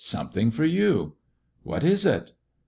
"Something for you.'' ''What is it!"